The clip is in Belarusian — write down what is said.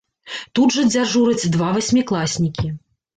Тут жа дзяжураць два васьмікласнікі.